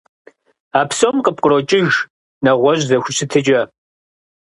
А псом къыпкърокӀыж нэгъуэщӀ зэхущытыкӀэ.